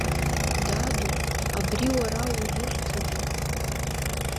Даду, абри уара узусҭада?